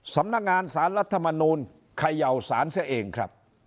สำนักงานสารรัฐมนูลเขย่าสารเสียเองครับ